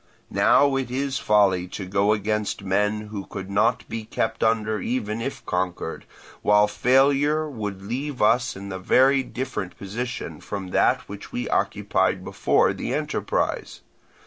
Now it is folly to go against men who could not be kept under even if conquered, while failure would leave us in a very different position from that which we occupied before the enterprise.